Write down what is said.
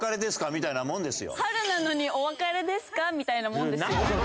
みたいなもんですよ。